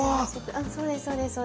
そうですそうです。